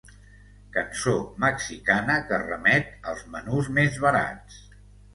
Cançó mexicana que remet als menús més barats.